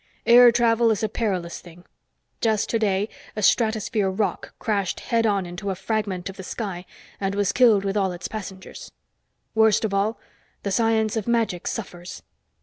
Air travel is a perilous thing; just today, a stratosphere roc crashed head on into a fragment of the sky and was killed with all its passengers. Worst of all, the Science of Magic suffers.